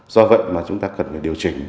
do vậy chúng ta cần điều chỉnh